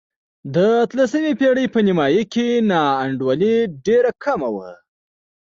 د اتلسمې پېړۍ په نیمايي کې نا انډولي ډېره کمه وه.